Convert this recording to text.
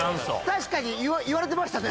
確かに言われてましたね。